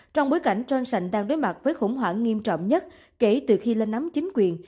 trong bối cảnh johnsh đang đối mặt với khủng hoảng nghiêm trọng nhất kể từ khi lên nắm chính quyền